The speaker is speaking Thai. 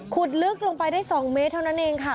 ลึกลงไปได้๒เมตรเท่านั้นเองค่ะ